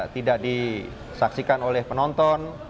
tidak disaksikan oleh penonton